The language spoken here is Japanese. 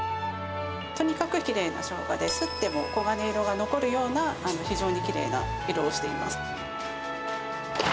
とにかくきれいなショウガで、すっても黄金色が残るような非常にきれいな色をしています。